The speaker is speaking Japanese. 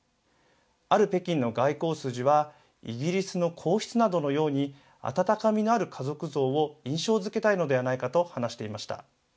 ある北京の外交筋はイギリスの皇室などのように温かみのある家族像を印象づけたいのではないかと話していました。